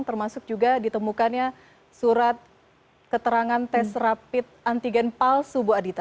termasuk juga ditemukannya surat keterangan tes rapid antigen palsu bu adita